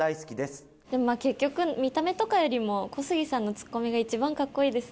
でもまあ結局見た目とかよりも小杉さんのツッコミが一番かっこいいです。